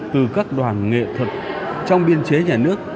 từ các đoàn nghệ thuật trong biên chế nhà nước